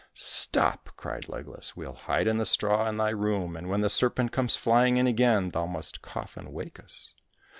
'' Stop !" cried Legless ;" we'll hide in the straw in thy room, and when the serpent comes flying in again, thou must cough and wake us."